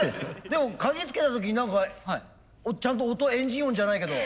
でも鍵付けた時何かちゃんと音何かエンジン音じゃないけど。